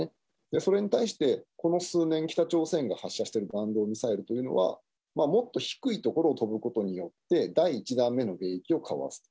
それに対して、この数年、北朝鮮が発射してる弾道ミサイルというのは、もっと低い所を飛ぶことによって、第１段目の迎撃をかわすと。